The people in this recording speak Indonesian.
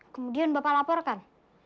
kemudian bapak laporkan